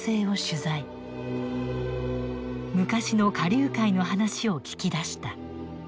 昔の花柳界の話を聞き出した。